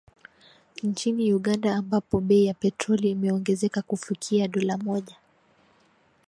Nchini Uganda ambapo bei ya petroli imeongezeka kufikia dola mmoja